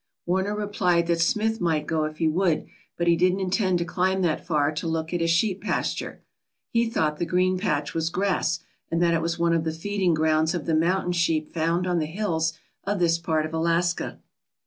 Warner replied that Smith might go if he would, but he didn't intend to climb that far to look at a sheep pasture. He thought the green patch was grass &nd that it was one of the feeding grounds of the mountain sheep found on the hills of this part of Alaska.